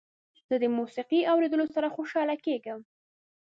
زه د موسيقۍ اوریدلو سره خوشحاله کیږم.